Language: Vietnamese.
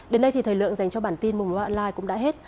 đến đây thì thời lượng dành cho bản tin mùng ba online cũng đã hết